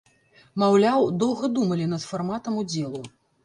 Маўляў, доўга думалі над фарматам удзелу.